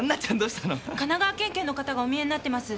神奈川県警の方がお見えになってます